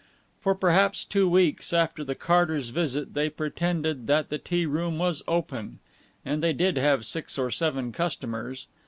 For perhaps two weeks after the Carters' visit they pretended that the tea room was open, and they did have six or seven customers.